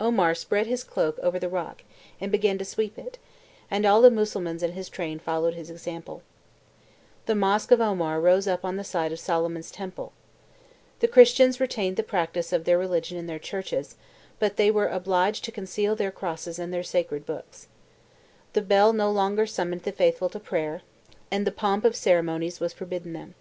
"Omar spread his cloak over the rock, and began to sweep it; and all the Mussulmans in his train followed his example." (Le Temple de Jerusalem, a monograph, pp. 73 75, by Count Melchior de Vogue, ch. vi.) The Mosque of Omar rose up on the site of Solomon's temple. The Christians retained the practice of their religion in their churches, but they were obliged to conceal their crosses and their sacred books. The bell no longer summoned the faithful to prayer; and the pomp of ceremonies was forbidden them.